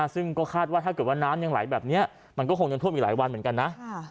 ซึ่งก็คาดว่าถ้าเกิดว่าน้ำยังไหลแบบนี้มันก็คงยังท่วมอยู่หลายวันเหมือนกันนะ